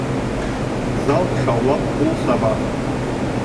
Зал шаулап ҡул саба.